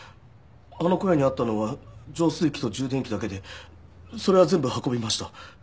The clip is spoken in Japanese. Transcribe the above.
あの小屋にあったのは浄水器と充電器だけでそれは全部運びました。